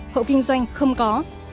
hộ kinh doanh không có